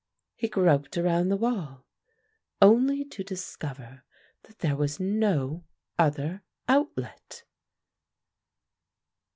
He groped around the wall only to discover that there was no other outlet.